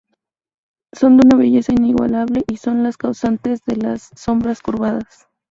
Son de una belleza inigualable y son las causantes de las sombras curvadas.